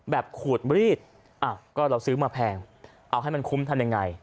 ขวดรีดอ้าวก็เราซื้อมาแพงเอาให้มันคุ้มทำยังไง